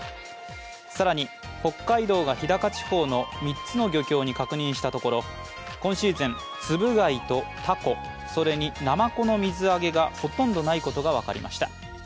更に、北海道が日高地方の３つの漁業に確認したところ今シーズン、つぶ貝とたこ、それになまこの水揚げがほとんどないことが分かりました。